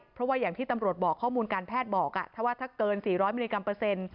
เพราะว่าอย่างที่ตำรวจบอกข้อมูลการแพทย์บอกถ้าว่าถ้าเกิน๔๐๐มิลลิกรัมเปอร์เซ็นต์